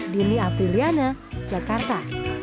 dini aprilyana jakarta